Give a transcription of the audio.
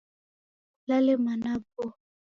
Kulale mana aboo.